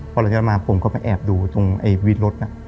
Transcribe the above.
พอเราจะมาผมก็ไปแอบดูตรงไอ้วิทย์รถน่ะ